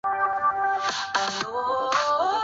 翅果杯冠藤是夹竹桃科鹅绒藤属的植物。